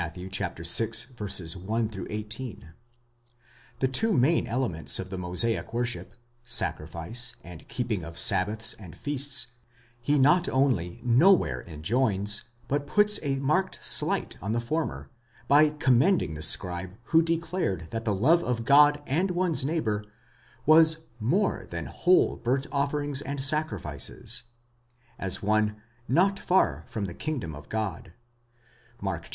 vi. 1 18); the two main elements of the Mosaic worship, sacrifice and the keeping of sabbaths and feasts, he not only nowhere enjoins, but puts a marked slight on the former, by commending the scribe who declared that the love of God and one's neighbour was more than whole burnt offerings and sacri Jies, as one not far from the kingdom of God (Mark xii.